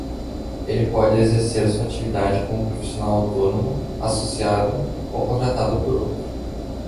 Ele pode exercer sua atividade como profissional autônomo, associado ou contratado por outro.